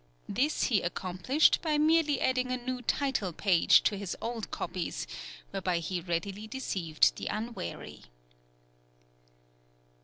This he accomplished by merely adding a new title page to his old copies, whereby he readily deceived the unwary.